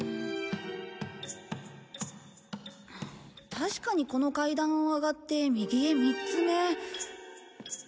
確かにこの階段を上がって右へ３つ目。